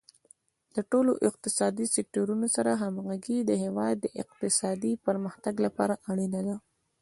د ټولو اقتصادي سکتورونو سره همغږي د هیواد د اقتصادي پرمختګ لپاره اړینه ده.